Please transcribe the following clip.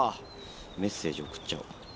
メッセージ送っちゃお。